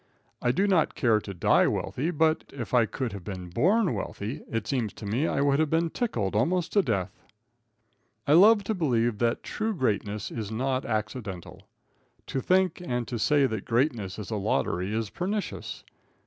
I do not care to die wealthy, but if I could have been born wealthy, it seems to me I would have been tickled almost to death. I love to believe that true greatness is not accidental. To think and to say that greatness is a lottery is pernicious.